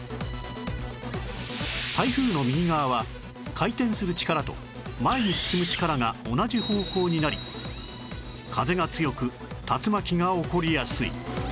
台風の右側は回転する力と前に進む力が同じ方向になり風が強く竜巻が起こりやすい